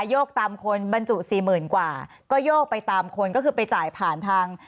โยกตามคนบรรจุสี่หมื่นกว่าก็โยกไปตามคนก็คือไปจ่ายผ่านทาง